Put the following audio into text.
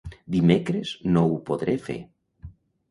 Dimecres no ho podré fer.